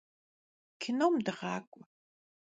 Kinom dığak'ue.